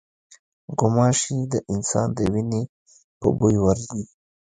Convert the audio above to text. غوماشې د انسان د وینې په بوی ورځي.